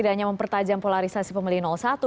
dia hanya mempertajam polarisasi pemilih satu dua